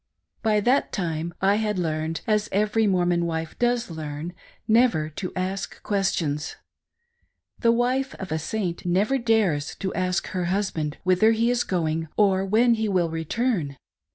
By that time I had learned, as every Mormon wife does learn, never to ask questions. The wife of a Saint never dares to ask her husband whither he is going or when he will return.